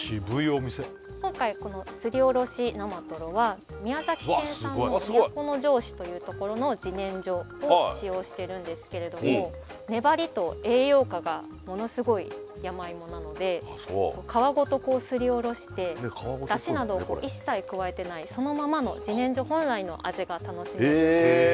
今回このすりおろし生とろは宮崎県産の都城市というところの自然薯を使用してるんですけれども皮ごとすりおろしてダシなどを一切加えてないそのままの自然薯本来の味が楽しめるへえ！